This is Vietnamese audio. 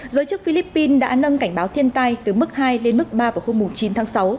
giới chức philippines đã nâng cảnh báo thiên tai từ mức hai lên mức ba vào hôm chín tháng sáu